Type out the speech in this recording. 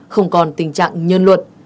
không còn tình trạng nhân luật